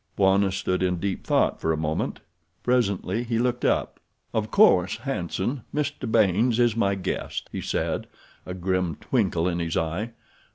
Bwana stood in deep thought for a moment. Presently he looked up. "Of course, Hanson, Mr. Baynes is my guest," he said, a grim twinkle in his eye.